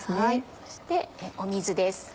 そして水です。